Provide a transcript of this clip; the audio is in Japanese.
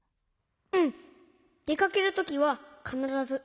うん。でかけるときはかならず。